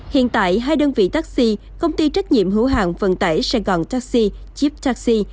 hiện tại hai đơn vị taxi công ty trách nhiệm hữu hàng vận tải sài gòn taxi chip taxi